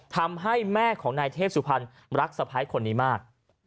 ทำให้แม่ของนายเทพสุพรรณรักสะพ้ายคนนี้มาก